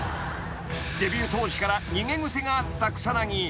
［デビュー当時から逃げ癖があった草薙］